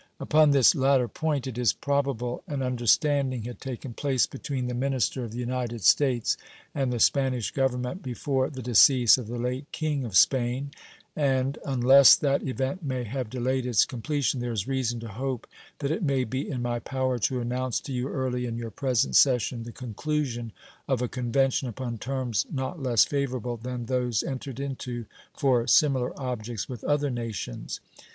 Upon this latter point it is probable an understanding had taken place between the minister of the United States and the Spanish Government before the decease of the late King of Spain; and, unless that event may have delayed its completion, there is reason to hope that it may be in my power to announce to you early in your present session the conclusion of a convention upon terms not less favorable than those entered into for similar objects with other nations.